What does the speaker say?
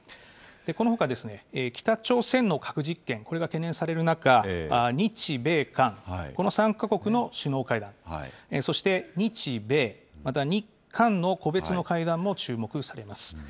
このほか、北朝鮮の核実験、これが懸念される中、日米韓この３か国の首脳会談、そして、日米、また日韓の個別の会談も注目されます。